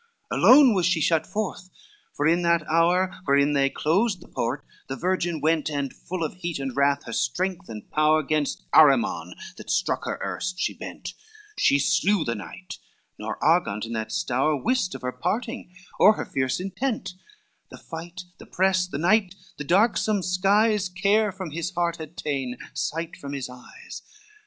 XLIX Alone was she shut forth, for in that hour Wherein they closed the port, the virgin went, And full of heat and wrath, her strength and power Gainst Arimon, that struck her erst, she bent, She slew the knight, nor Argant in that stowre Wist of her parting, or her fierce intent, The fight, the press, the night, and darksome skies Care from his heart had ta'en, sight from his eyes.